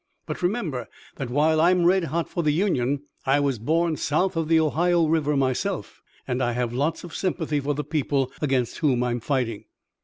But remember that while I'm red hot for the Union, I was born south of the Ohio River myself, and I have lots of sympathy for the people against whom I'm fighting."